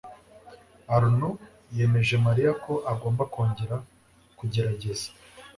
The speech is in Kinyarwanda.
arnaud yemeje mariya ko agomba kongera kugerageza